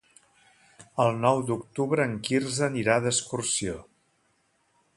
El nou d'octubre en Quirze anirà d'excursió.